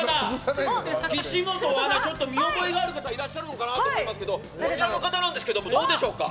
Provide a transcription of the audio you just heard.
岸本アナ、ちょっと見覚えある方いらっしゃるのかなと思いますがこちらの方、どうでしょうか。